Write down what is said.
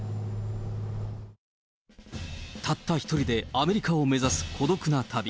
たった一人でアメリカを目指す孤独な旅。